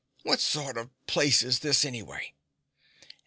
What sort of place is this anyway?"